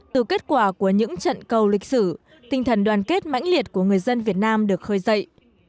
từ kết quả của những trận cầu lịch sử tinh thần đoàn kết mãnh liệt của người dân việt nam được khơi dậy